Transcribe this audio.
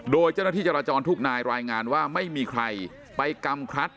โดยเจ้าหน้าที่จราจรทุกนายรายงานว่าไม่มีใครไปกำคลัด